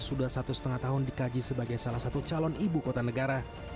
sudah satu setengah tahun dikaji sebagai salah satu calon ibu kota negara